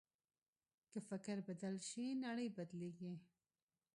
که فکر بدل شي، نړۍ بدلېږي.